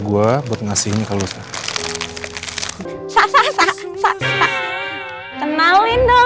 gue kesini karena disuruh sama nino